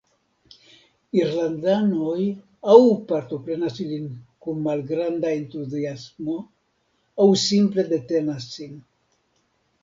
Irlandanoj aŭ partoprenas ilin kun malgranda entuziasmo aŭ simple detenas sin.